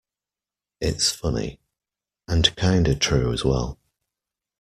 It's funny, and kinda true as well!